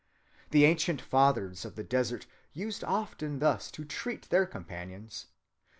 The ancient fathers of the desert used often thus to treat their companions....